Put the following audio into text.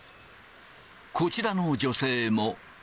こちらの女性も。